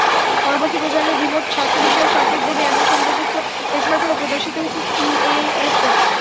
পরবর্তী প্রজন্মের রিমোট স্বাস্থ্য-বিষয়ক সংকেত দেবে এমন সুবিধাযুক্ত স্মার্টফোনও প্রদর্শিত হচ্ছে সিইএসে।